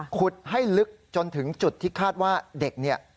ขุดให้ลึกจนถึงจุดที่คาดว่าเด็กเนี่ย